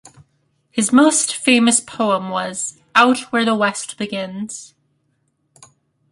His most famous poem was "Out Where the West Begins".